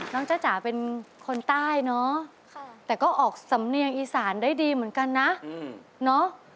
จ้าจ๋าเป็นคนใต้เนาะแต่ก็ออกสำเนียงอีสานได้ดีเหมือนกันนะเนาะ